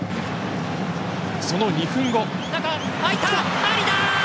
その２分後。